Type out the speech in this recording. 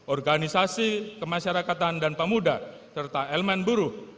organisasi kemasyarakatan dan pemuda serta elemen buruh